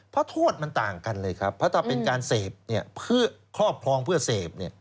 เพราะโทษมันต่างกันเลยครับเพราะถ้าเป็นการเสพเพื่อครอบครองเพื่อเสพ